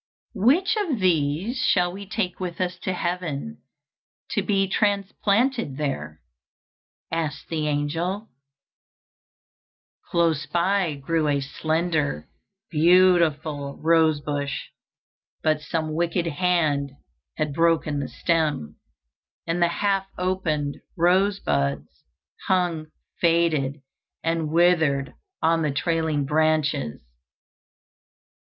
"Which of these shall we take with us to heaven to be transplanted there?" asked the angel. Close by grew a slender, beautiful, rose bush, but some wicked hand had broken the stem, and the half opened rosebuds hung faded and withered on the trailing branches.